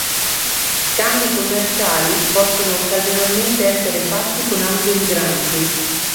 Scambi commerciali possono occasionalmente essere fatti con altri emigranti.